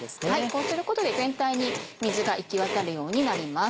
こうすることで全体に水が行き渡るようになります。